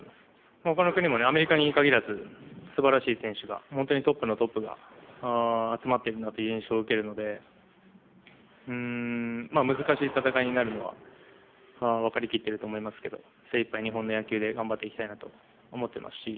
ほかの国も、アメリカにかぎらず、すばらしい選手が、本当にトップのトップが集まっているなという印象を受けるので、難しい戦いになるのは分かりきってると思いますけど、精いっぱい、日本の野球で頑張っていきたいなと思っていますし。